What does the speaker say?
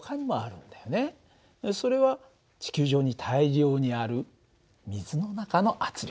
それは地球上に大量にある水の中の圧力。